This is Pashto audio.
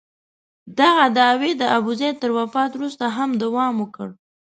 دغه دعوې د ابوزید تر وفات وروسته هم دوام وکړ.